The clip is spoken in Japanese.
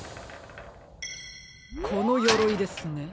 このよろいですね。